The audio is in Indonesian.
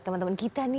teman teman kita nih